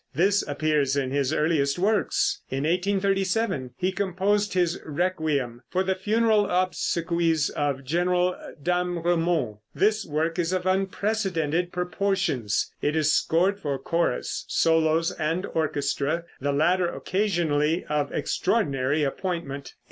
This appears in his earliest works. In 1837 he composed his Requiem, for the funeral obsequies of General Damremont. This work is of unprecedented proportions. It is scored for chorus, solos and orchestra, the latter occasionally of extraordinary appointment.